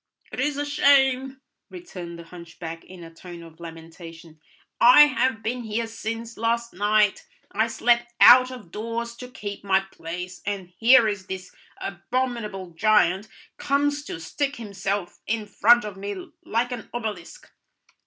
"It is a shame," returned the hunchback in a tone of lamentation; "I have been here since last night, I slept out of doors to keep my place, and here is this abominable giant comes to stick himself in front of me like an obelisk."